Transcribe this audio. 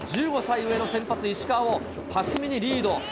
１５歳上の先発、石川を巧みにリード。